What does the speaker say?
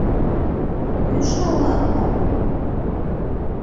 — Кӱшнӧ улат мо?